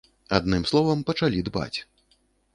Адным словам, пачалі дбаць.